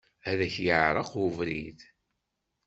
Ad ak-yeɛreq ubrid.